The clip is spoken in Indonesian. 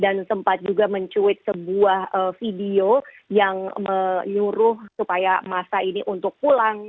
dan sempat juga mencuit sebuah video yang menyuruh supaya masa ini untuk pulang